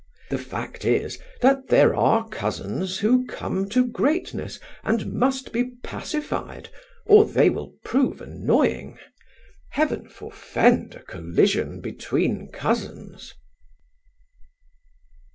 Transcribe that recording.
The fact is, that there are cousins who come to greatness and must be pacified, or they will prove annoying. Heaven forefend a collision between cousins!